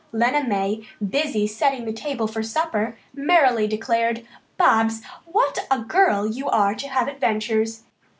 Lena May, busy setting the table for supper, merrily declared: "Bobs, what a girl you are to have adventures.